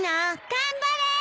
頑張れー！